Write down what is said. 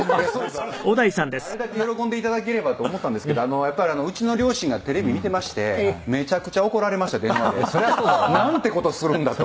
あれだけ喜んでいただければと思ったんですけどやっぱりうちの両親がテレビ見てましてめちゃくちゃ怒られました電話で。なんて事するんだと。